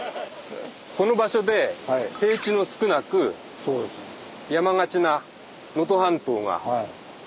この場所で平地の少なく山がちな能登半島がどうできたのか。